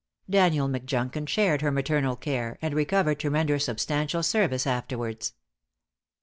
Daniel Mcjunkin shared her maternal care, and recovered to render substantial service afterwards.